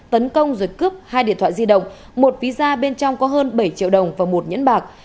tấn công rồi cướp hai điện thoại di động một ví da bên trong có hơn bảy triệu đồng và một nhẫn bạc